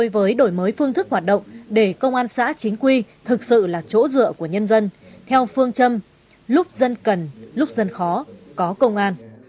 với đổi mới phương thức hoạt động để công an xã chính quy thực sự là chỗ dựa của nhân dân theo phương châm lúc dân cần lúc dân khó có công an